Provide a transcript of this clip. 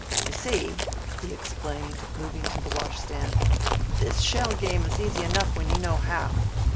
You see," he explained, moving to the washstand, "this shell game is easy enough when you know how.